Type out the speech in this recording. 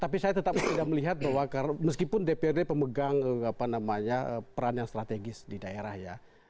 tapi saya tetap tidak melihat bahwa meskipun dprd pemegang peran yang strategis di daerah ya